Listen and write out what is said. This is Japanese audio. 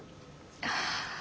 ああ。